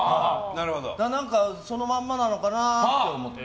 何かそのままなのかなと思って。